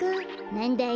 なんだい？